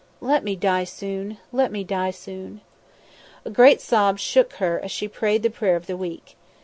"Let me die soon! let me die soon!" A great sob shook her as she prayed the prayer of the weak.